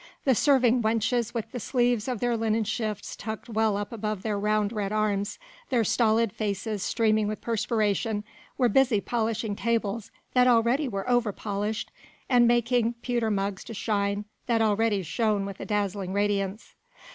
The serving wenches with the sleeves of their linen shifts tucked well up above their round red arms, their stolid faces streaming with perspiration, were busy polishing tables that already were over polished and making pewter mugs to shine that already shone with a dazzling radiance.